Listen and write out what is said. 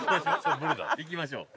行きましょう。